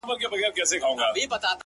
سیاه پوسي ده ـ اوښکي نڅېږي ـ